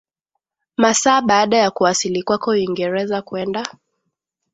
masaa baada ya kuwasili kwako Uingereza kwenda